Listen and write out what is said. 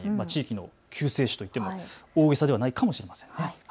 救世主といっても大げさではないかもしれません。